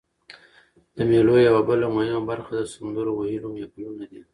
د مېلو یوه بله مهمه برخه د سندرو ویلو محفلونه دي.